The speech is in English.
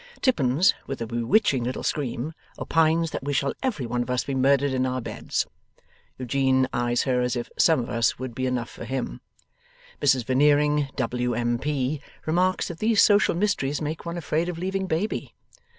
Tippins, with a bewitching little scream, opines that we shall every one of us be murdered in our beds. Eugene eyes her as if some of us would be enough for him. Mrs Veneering, W.M.P., remarks that these social mysteries make one afraid of leaving Baby.